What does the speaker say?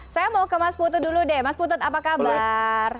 saya mau ke mas putu dulu deh mas putut apa kabar